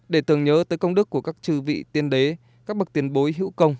để tưởng nhớ tới công đức của các chư vị tiên đế các bậc tiền bối hữu công